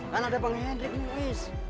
kan ada bang hendrik nih uis